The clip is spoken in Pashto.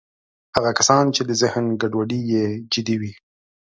هغه کسان چې د ذهن ګډوډۍ یې جدي وي